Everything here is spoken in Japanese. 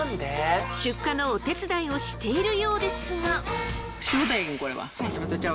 出荷のお手伝いをしているようですが。